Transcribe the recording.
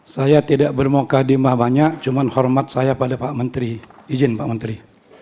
saya tidak bermokadimah banyak cuma hormat saya pada pak menteri ijin pak menteri